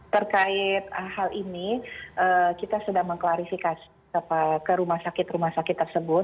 terkait hal ini kita sedang mengklarifikasi ke rumah sakit rumah sakit tersebut